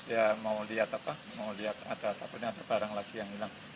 ya mau lihat apa mau lihat ada takutnya ada barang lagi yang hilang